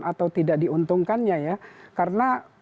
atau tidak diuntungkannya ya karena